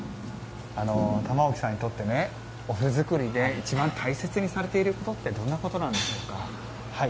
玉置さんにとってお麩作りで一番大切にされていることってどんなことなんでしょうか？